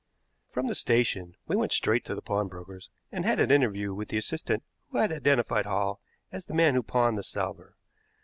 From the station we went straight to the pawnbroker's and had an interview with the assistant who had identified Hall as the man who pawned the salver.